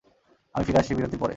আমি ফিরে আসছি বিরতির পরে।